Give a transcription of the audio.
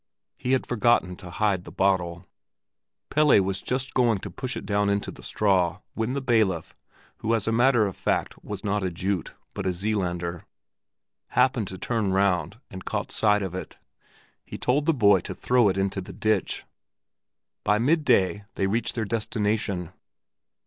He had forgotten to hide the bottle. Pelle was just going to push it down into the straw when the bailiff —who as a matter of fact was not a Jute, but a Zeelander—happened to turn round and caught sight of it. He told the boy to throw it into the ditch. By midday they reached their destination.